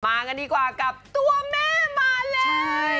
กันดีกว่ากับตัวแม่มาเลย